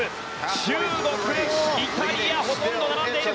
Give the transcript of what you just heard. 中国、イタリアほとんど並んでいる。